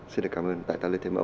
xin cảm ơn tại tài lệ thầy mẫu